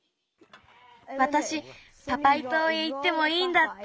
わたしパパイとうへいってもいいんだって。